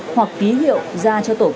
hoặc ký hiệu ra cho tổ chức